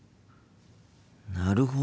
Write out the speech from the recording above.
なるほど。